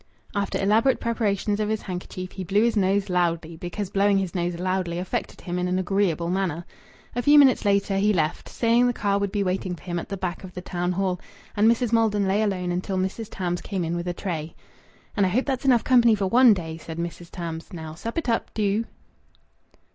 After elaborate preparations of his handkerchief, he blew his nose loudly, because blowing his nose loudly affected him in an agreeable manner. A few minutes later he left, saying the car would be waiting for him at the back of the Town Hall. And Mrs. Maldon lay alone until Mrs. Tams came in with a tray. "An' I hope that's enough company for one day!" said Mrs. Tarns. "Now, sup it up, do!"